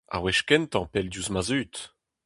Ar wech kentañ pell diouzh ma zud.